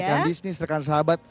rekan bisnis rekan sahabat